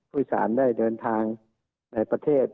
ผู้โดยสารได้เดินทางในประเทศ